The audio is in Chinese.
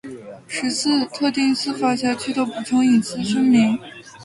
十四、特定司法辖区的补充隐私声明